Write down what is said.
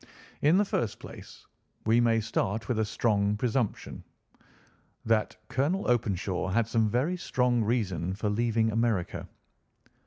In the first place, we may start with a strong presumption that Colonel Openshaw had some very strong reason for leaving America.